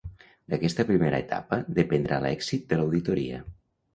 D’aquesta primera etapa dependrà l'èxit de l'auditoria.